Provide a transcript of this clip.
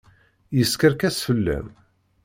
Yeskerkes fell-am.